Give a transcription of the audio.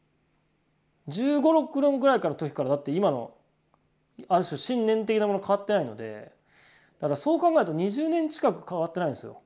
１５１６ぐらいの時からだって今のある種信念的なもの変わってないのでそう考えると２０年近く変わってないですよ。